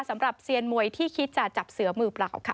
เซียนมวยที่คิดจะจับเสือมือเปล่าค่ะ